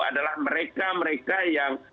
adalah mereka mereka yang